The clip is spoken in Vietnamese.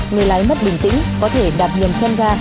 người lái mất bình tĩnh có thể đạp nhầm chăn ga